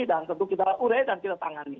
dan tentu kita ure dan kita tangani